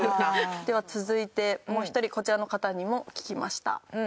では続いてもう一人こちらの方にも聞きました。